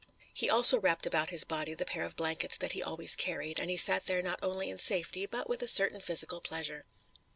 He also wrapped about his body the pair of blankets that he always carried, and he sat there not only in safety, but with a certain physical pleasure.